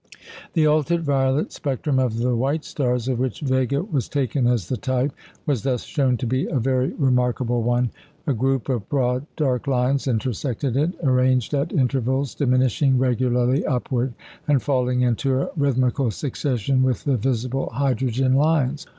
The ultra violet spectrum of the white stars of which Vega was taken as the type was thus shown to be a very remarkable one. A group of broad dark lines intersected it, arranged at intervals diminishing regularly upward, and falling into a rhythmical succession with the visible hydrogen lines.